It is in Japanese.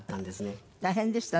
大変でしたね。